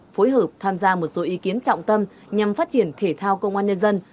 phối hợp tham gia một số ý kiến trọng tâm nhằm phát triển thể thao công an nhân dân